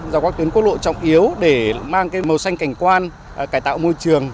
ra các tuyến quốc lộ trọng yếu để mang màu xanh cảnh quan cải tạo môi trường